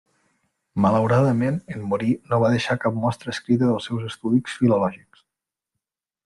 Malauradament, en morir no va deixar cap mostra escrita dels seus estudis filològics.